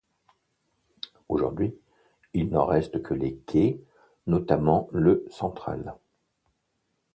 Aujourd'hui, il n'en reste que les quais, notamment le central.